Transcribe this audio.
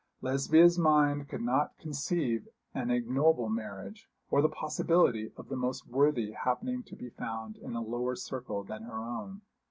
Lesbia's mind could not conceive an ignoble marriage, or the possibility of the most worthy happening to be found in a lower circle than her own.